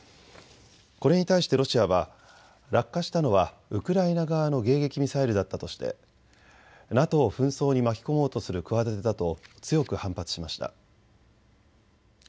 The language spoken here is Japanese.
これに対してロシアは落下したのはウクライナ側の迎撃ミサイルだったとしてＮＡＴＯを紛争に巻き込もうとする企てだと強く反発しました。